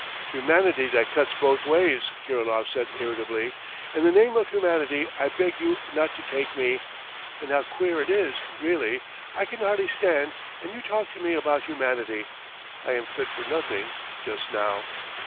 "Humanity that cuts both ways," Kirilov said irritably. "In the name of humanity I beg you not to take me. And how queer it is, really! I can hardly stand and you talk to me about humanity! I am fit for nothing just now.